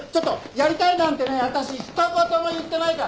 やりたいなんてね私ひと言も言ってないから！